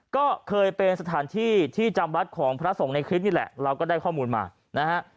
ก็เคยเป็นสถานที่ที่จำวัดของพระสงฆ์ในคลิปนี่แหละเราก็ได้ข้อมูลมานะฮะ